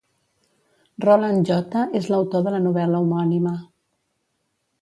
Roland J. és l'autor de la novel·la homònima.